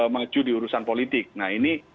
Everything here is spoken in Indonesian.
maju diurusan politik nah ini